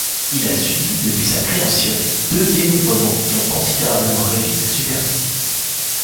Il a subi depuis sa création deux démembrements qui ont considérablement réduit sa superficie.